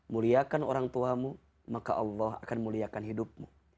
muliakan orang tuamu maka allah akan muliakan hidupmu